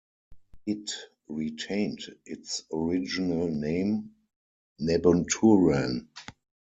It retained its original name, Nabunturan.